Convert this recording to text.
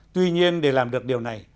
tuy nhiên để làm được điều này